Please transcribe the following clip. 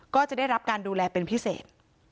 ก็จะได้รับการดูแลเป็นพิเศษ